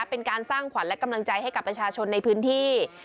เป็นการสร้างขวัญและกำลังใจให้กับประชาชนในพื้นที่